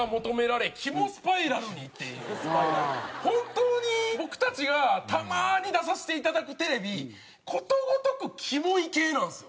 本当に僕たちがたまに出させていただくテレビことごとくキモい系なんですよ。